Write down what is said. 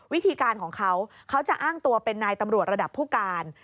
วิธีการของเขาเขาจะอ้างตัวเป็นนายตำรวจระดับผู้การ